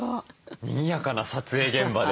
にぎやかな撮影現場で。